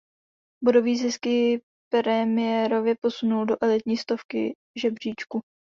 Bodový zisk ji premiérově posunul do elitní stovky žebříčku.